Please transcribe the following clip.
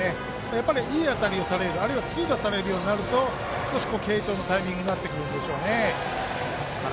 いい当たりをされると、あるいは痛打されるようになると継投のタイミングになってくるでしょうね。